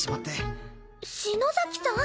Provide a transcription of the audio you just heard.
篠崎さん！？